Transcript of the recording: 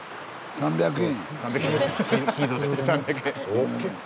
３００円。